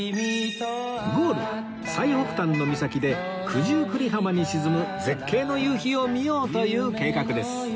ゴールは最北端の岬で九十九里浜に沈む絶景の夕日を見よう！という計画です